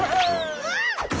うわっ！